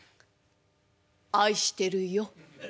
愛してるよ。